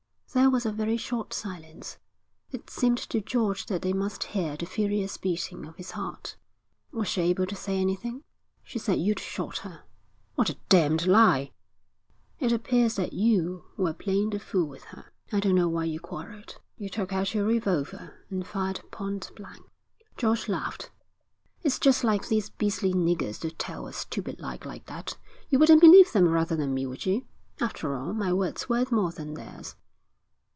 There was a very short silence. It seemed to George that they must hear the furious beating of his heart. 'Was she able to say anything?' 'She said you'd shot her,' 'What a damned lie!' 'It appears that you were playing the fool with her. I don't know why you quarrelled. You took out your revolver and fired point blank.' George laughed. 'It's just like these beastly niggers to tell a stupid lie like that. You wouldn't believe them rather than me, would you? After all, my word's worth more than theirs.'